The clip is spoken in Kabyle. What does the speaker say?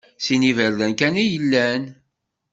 Sin n iberdan kan i yellan.